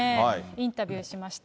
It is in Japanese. インタビューしました。